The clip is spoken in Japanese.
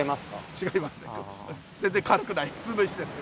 違いますね。